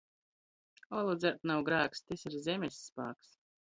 Olu dzert nav grāks – tys ir zemis spāks.